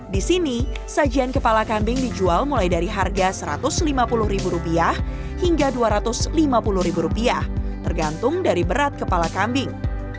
di sini sajian kepala kambing dijual mulai dari harga rp satu ratus lima puluh hingga rp dua ratus lima puluh tergantung dari berat kepala kambing